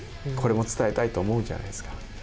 「これも伝えたい」と思うじゃないすか。